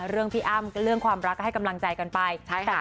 เรื่องพี่อ้ามเรื่องความรักให้กำลังใจกันไป